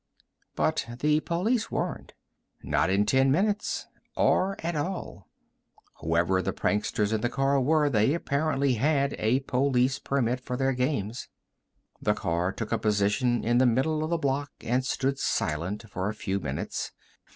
But the police weren't not in ten minutes, or at all. Whoever the pranksters in the car were, they apparently had a police permit for their games. The car took a position in the middle of the block and stood silent for a few minutes.